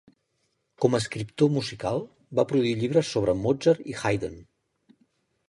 Com a escriptor musical, va produir llibres sobre Mozart i Haydn.